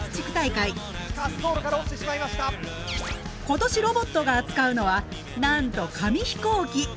今年ロボットが扱うのはなんと紙飛行機！